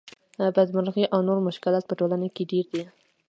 بدمرغۍ او نور مشکلات په ټولنه کې ډېر دي